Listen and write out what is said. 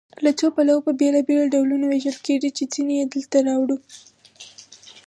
له څو پلوه په بېلابېلو ډولونو ویشل کیږي چې ځینې یې دلته راوړو.